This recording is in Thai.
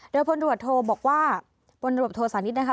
โดยผลละบทโทรบอกว่าผลละบทโทรสารณิชย์นะคะ